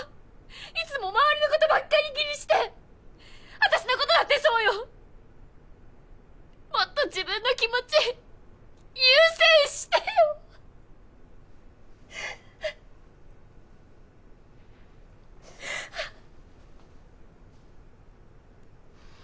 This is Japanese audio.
いつも周りのことばっかり気にして私のことだってそうよもっと自分の気持ち優先してよ！